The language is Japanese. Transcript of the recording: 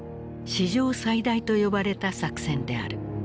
史上最大と呼ばれた作戦である。